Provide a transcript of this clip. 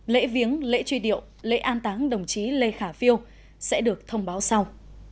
lễ viếng lễ truy điệu lễ an táng đồng chí lê khả phiêu sẽ được thông báo sau